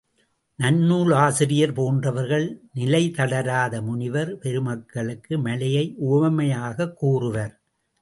நன்னூல் ஆசிரியர் போன்றவர்கள் நிலைதளராத முனிவர் பெருமக்களுக்கு மலையை உவமையாகக் கூறுவர்.